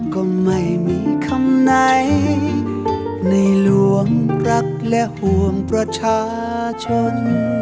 ก็ไม่มีคำไหนในหลวงรักและห่วงประชาชน